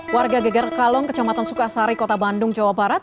warga geger kalong kecamatan sukasari kota bandung jawa barat